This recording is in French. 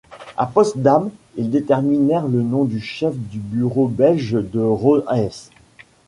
À Potsdam, ils déterminèrent le nom du chef du bureau belge de Rohes.